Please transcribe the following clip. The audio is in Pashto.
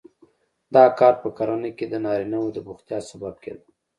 دا کار په کرنه کې د نارینه وو د بوختیا سبب کېده